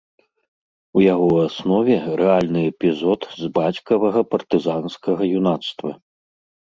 У яго аснове рэальны эпізод з бацькавага партызанскага юнацтва.